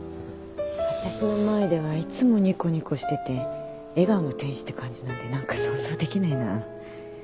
私の前ではいつもにこにこしてて笑顔の天使って感じなんで何か想像できないな。